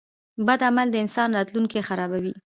• بد عمل د انسان راتلونکی خرابوي.